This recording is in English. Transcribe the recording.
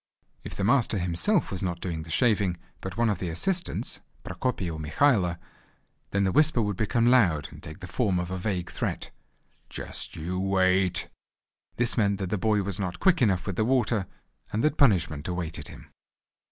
If the master himself was not doing the shaving but one of the assistants, Prokopy or Mikhailo, then the whisper would become loud, and take the form of a vague threat: "Just you wait!" This meant that the boy was not quick enough with the water, and that punishment awaited him.